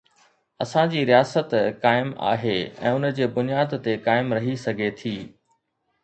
اسان جي رياست قائم آهي ۽ ان جي بنياد تي قائم رهي سگهي ٿي.